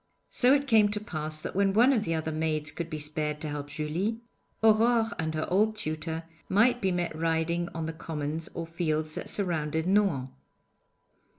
So it came to pass that when one of the other maids could be spared to help Julie, Aurore and her old tutor might be met riding on the commons or fields that surrounded Nohant.